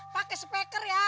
pakai speaker ya